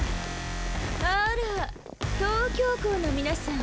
あら東京校の皆さん